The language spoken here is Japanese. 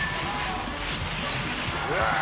「うわ！